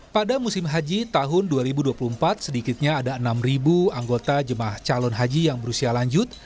pada musim haji tahun dua ribu dua puluh empat sedikitnya ada enam anggota jemaah calon haji yang berusia lanjut